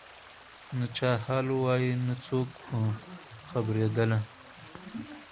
نه چا حال وایه نه څوک په خبرېدله